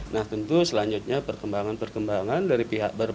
nah tentu selanjutnya perkembangan perkembangan dari pihak berpenga